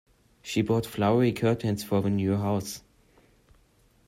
She bought flowery curtains for the new house.